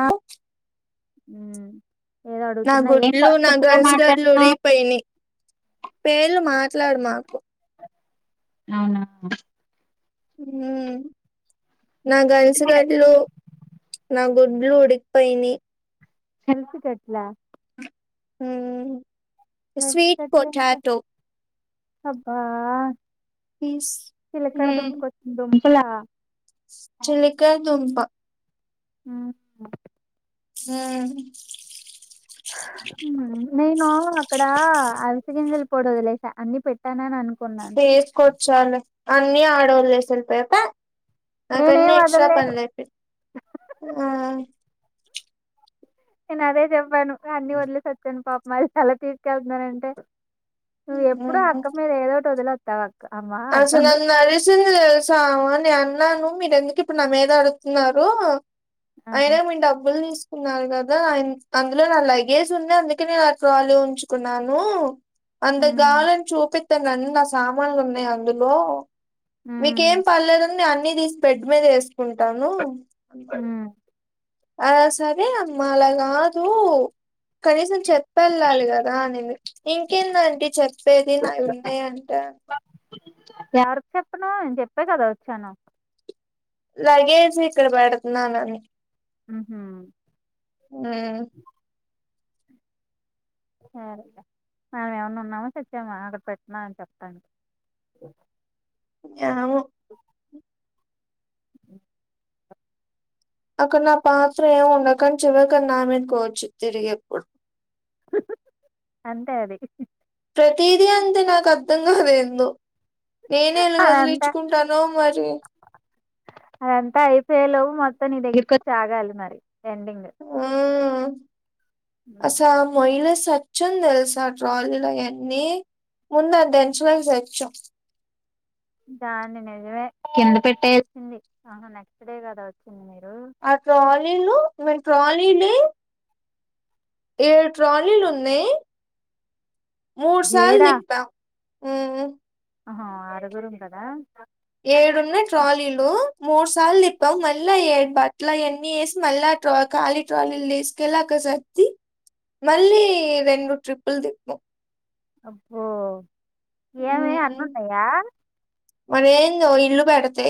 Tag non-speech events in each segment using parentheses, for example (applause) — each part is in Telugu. ఆ ఉమ్ ఏదో నా అడుగుతున్నా ఏం గుడ్లు నా తప్పుగా గన్స్ గడ్లు మాట్లాడుతున్నావు ఇరీగిపోయినాయి పేర్లు మాట్లాడు మాకు అవునా ఉ నా గన్స్ గడ్లు నా గుడ్లు ఉడికిపోయినాయి గన్స్ గడ్ల ఉ హెల్త్ స్వీట్ కట్ల అంటే పొటాటో అబ్బా పీస్ చిలక్కడ దుంపకొచ్చింది దుంపలా చిలక్కడ దుంప ఉమ్ ఉ నేను అక్కడ అల్సా గింజలు పోడివదిలేసా అన్ని పెట్టానని అను తీసుకొచ్చాలే అన్ని ఆడవాదిలేసి ఎలిపోయా పె నాకు అన్ని నేనేం ఎక్స్ట్రా వదలలేదు పనులు అయిపోయాయి నేను అదే చెప్పాను అన్ని వదిలేసవచ్చాను పాపం అలా తీసుకెళ్తున్నారంటే నువ్వు ఎప్పుడో మ్మ్ అక్క మీద ఏదోటి వదిల వస్తావా అక్క అమ్మా అసలు అంటుంది నన్న నడుసింది తెసాని అన్నాను మీరెందుకు ఇప్పుడు నా మీద ఆడుతున్నారు ఆ అయినా మీ డబ్బులు తీస్ ఉన్నారు కదా అందులో నా లగేజ్ ఉంది అందుకే నేను అప్పుడు అదే ఉంచుకున్నాను అంత ఉమ్ గాలం చూపితే నా సామాన్లు ఉన్నాయని అందులో మీకేం ఉమ్ పర్లేదుండి అన్ని తీసి బెడ్ మీద వేసు కుంటాను ఉమ్ అ సరే అమ్మ అలా కాదు కనీసం చెప్పె వెళ్ళాలి కదా అనేది ఇంకేందంటడి చెప్పేది నావి ఉన్నాయి అంటే ఎక్కువ ఎవరు చెప్పను నేను చెప్పే కదా వచ్చాను లగేజ్ ఇక్కడ పెడుతున్నాను అని ఉహు ఉ సరే మనం ఎమన్నా ఉన్నామా చచ్చామా అక్కడ పెట్నా అని చెప్తాటా ఓ ఏమో అక్కడ నా పాత్ర ఏమి ఉండక్కని చివరికన్నా ఆమెను కోచ్చు తిరిగి ఎప్పుడు అంతే అది ప్రతిదీ అంతే నాకు అర్థం కాదు ఎందో నేనేలా అదంతా వదిలిచ్చుకుంటానో మరి అదంతా అయిపోయేలోపు మొత్తం నీ దగ్గరకి వచ్చి ఆగాలి మరి ఎండింగ్ అస మయినేస్ సచ్చాం తెలుసా ట్రాలిలో ఎన్నీ ముందు అది దించలేక సచ్చాం దాన్ని నిజమే కింద పెట్టేసింది ఆహా నెక్స్ట్ డే కదా వచ్చింది మీరు ఇవ్వళ ట్రాలీలు ఎయ్ ఏడు ట్రాలీలు ఉన్నాయి మూడు సార్లు తిప్పాం ఆమ్ ఆహ ఆరుగురం కదా ఏడున్నాయి ట్రాలీలు మూడు సార్లు తిప్పావు మళ్ళా ఏ బట్టలు అయి అన్ని వేసి మళ్ళా ట్రా ఖాళి ట్రలీలు తీసుకెళ్లి అక్క ఒకసారి తి మళ్ళీ రెండు ట్రిప్పులు తిప్పవు అబ్బో ఏమి అన్ని ఉంటాయా మన ఏంది ఒక్క ఇల్లు కడితే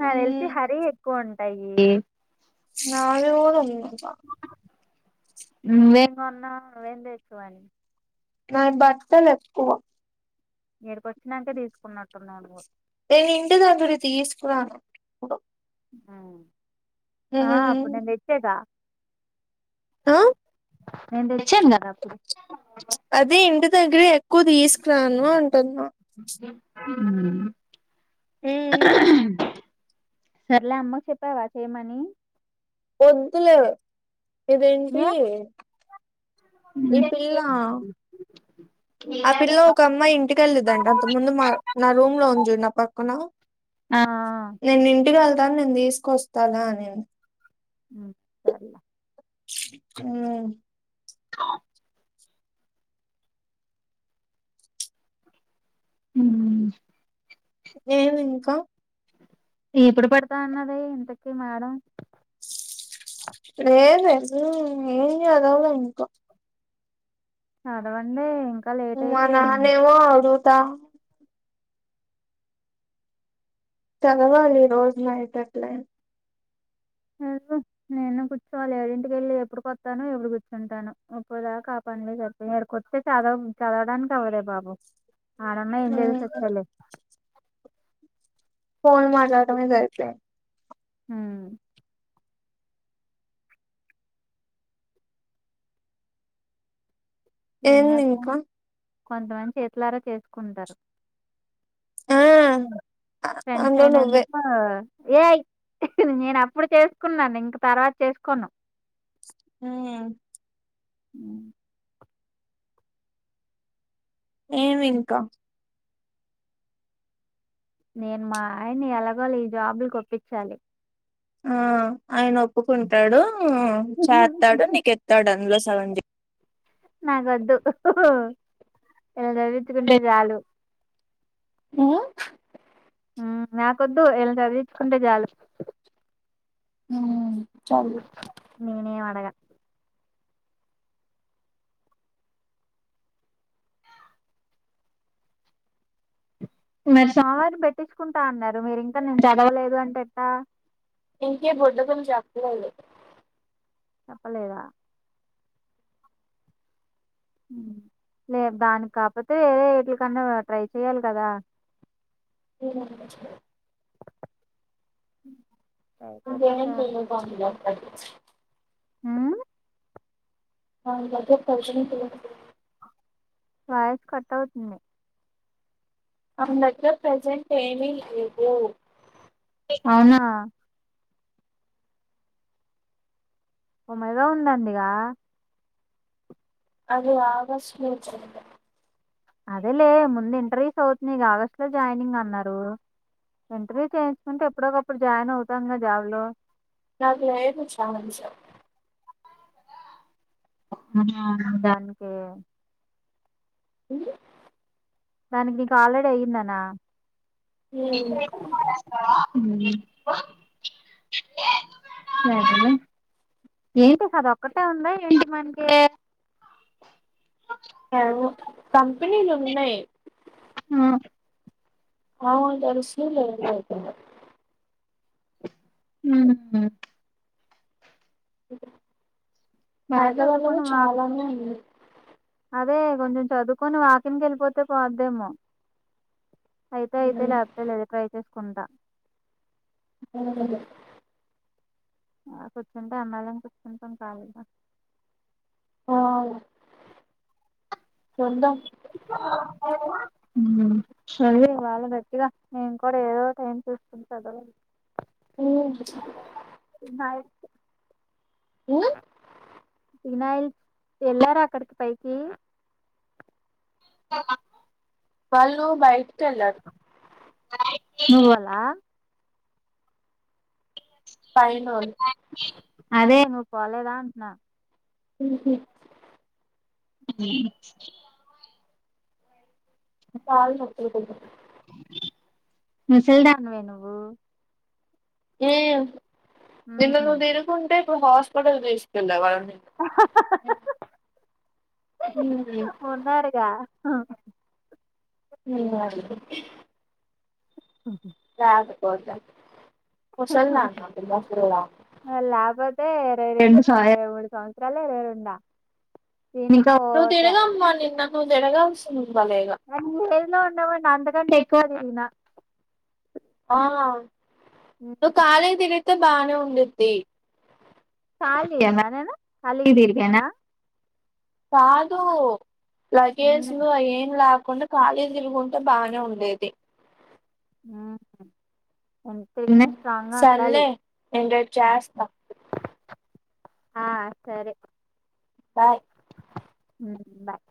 నాకు తెలిసి మ్మ్ హరి ఎక్కువ ఉంటాయి నాది కుడ ఉదంటా నువ్వు ఎం కొన్నా నువ్వు ఎమి తెచ్చినావ్ అని నాకు బట్టలు ఎక్కువ ఇడికి వచ్చినాంకే తీసుకుంటున్నట్టున్నాను పో నేను ఇంటి దగ్గరకు తీసుకురాను ఉమ్ ఆ అప్పుడు మ్మ్ నేను తెచ్చగా ఆ నేను తెచ్చాను కదా అప్పుడు అదే ఇంటి దగ్గర ఎక్కువ తీసుకురాను అంటున్నా ఉమ్ మ్మ్ సరలే అమ్మకు చెప్పేవా చేయి మనీ వద్దులే మే ఇదేంటి ఈ పిల్ల ఆ పిల్ల ఒక అమ్మాయి ఇంటికెళ్ళిదంట అంతకు ముందు మా నా రూమ్ లో ఉంది చుడు నా పక్కన ఆ నేను ఇంటికి వెళ్తాను నేను తీసుకొస్తాను అనింది ఉమ్ సర్లే అమ్ హమ్ నేను ఇంకా ఇప్పుడు పెడతాన్నది ఇంతకి మేడం లేేదు ఏం చదవలా ఇంక చదవండి ఇంకా లేట్ మా అయితే నాన్న ఎమో అడుగుతా చదవాలి ఈ రోజునైట్ అట్లే అయినా నేను కూర్చోవాలి ఏడింటికి వెళ్ళి ఎప్పుడు కొస్తానో ఎప్పుడు కూర్చుంటానో ఒలాాగా కాపా ండి చెప్పి ఎడికోతే చదవ చదవడానికి అవ్వదే బాబు ఆడన్న ఎంజాయ్ చే ఉమ్ సచ్చేది లేదింకా ఫోన్ మాట్లాటమే సరిపోయిన్ది మ్ ఏం ఏంది చేస్తాం ఇంకా కొంతమంది చేతులరా చేసుకుంటారు ఆ ఫ్రెండ్సనా అందులో నువ్వే అయినందుకు ఏయ్ నేను అప్పుడు చేసుకున్నాను ఇంక తర్వాత చేసుకొను మ్ మ్ ఏమి ఇంకా నేను మా ఆయన్ని ఎలాగో అల ఈ జాబులక్ ఒప్పించాలి ఆ ఆయన ఒప్పుకుంటాడు చేస్తాడు నీకెత్తాడు అందులో కదండీ నాకోద్దు ఇళ్లను చదివిించుకుంటే చాలు మ్ నాకొద్దు వీళ్ళని చదివించుకుంటే చాలు మ్ నేనేం అడగా మరి సోమవారం పెట్టించుకుంటా అన్నారు మీరు ఇంకా నేను చదవలేదు అంటే ఎట్ట ఇంకే బుడ్డకులు చేప్పలేదు చెప్పలేదా లే దానికి కాకపోతే వేరే వీటిల కన్నా ట్రై చెయ్యాలి కదా చేయాలి (unintelligible) ఇక లేకపోతే ఇంటి ఇన్ఫర్మ్చేస్తాడు మ్ వాని కి ఆఇంతే ప్రసెంట్ ఎం (unintelligible) వాయస్ కట్ అవుతుంది వాని దగ్గర ప్రెజెంట్ ఏమీ లేవు అవునా ఉమెగా ఉందందిగ అది అగస్ట్ లో వచ్చింది అదేలే ముందు ఇంటర్వ్యూస్ అవుతున్నాయిగ ఆగస్టు లో జాయినింగ్ అన్నారు ఇంటర్వ్యూ చేయించుకుంటే ఎప్పుడోకప్పుడు జాయిన్ అవుతాం కద జాబ్లో నాకులేదు ఛాన్స్ అహ దానికి మ్ దానికి నీకు ఆల్రెడీ అయ్యిందనా మ్ ఏంటిది ఏంటి అది ఒక్కటే ఉందా ఏంటి మనకి లేవు కంపెనీలున్నాయ్ మ్మ్ మామూల్ (unintelligible) లేదు హూ హమ్ బా హైదరాబాద్ లో చదువుకొని కూడా వాక్ చాలా ఉన్నాయి అండి అదే కొంచెం చదువుకొని వాకింగ్ కి వెళ్ళిపోతే పోద్దేమో అయితే అయితే లేకపోతే లేదు ట్రై చేసుకుంటా (unintelligible) ఆ కూర్చుంటే ఎన్నాలని కూర్చుంటాం కాళిగా ఆ చూద్దాం హుమ్మ్ సరే వాళ్ళ గట్టిగా నేను కూడా ఏదో టైం చూసుకుంటా చదవ (unintelligible) ఉం ఉన్నాయి ఉం (unintelligible) వెళ్లారా అక్కడికి పైకి వాళ్ళు బయటికి వెళ్ళారు నువ్వు అలా పైనొల్లు అదే నువ్వు పోలేదా అంటున్నా హు హుమ్మ్ ఆ కాళ్ళు నొప్పులు తెలుసా (unintelligible) ముసలదానివే నువ్వు ఉం నిన్న నువ్వు తినకుంటే ఇప్పుడు హాస్పిటల్ తీసుకెళ్లే వాళ్లం ఉన్నాడుగా ఆ ఉమ్మ్ వాళ్ళని కొట్టి (unintelligible) ఉ హుమ్మ్ (unintelligible) లేకపోతే ముసలిదానంట ముసలిదని (unintelligible) అంతే ఇరవై రెండు (unintelligible) మూడు సంవత్సరాలే నేను ఉండా నువ్వు తిరుగమ్మ నిన్న నువ్వు తిరగాల్సింది బలేగా నో నో న అంతకంటే ఎక్కువ తిరిగిన ఆ నువ్వు ఖాళీగా తిరిగితే బానే ఉండుద్ది కాళియ నేను ఖాళీగా తిరిగానా కాదు లగేజ్ లు అయ్యి ఏం లేకుం కుండ ఖాళీ తిరుగుంటే బానే ఉండేది ఆహా హా సర్లే నేను రేపు చేస్తా ఆ సరే బాయ్ ఉం బాయ్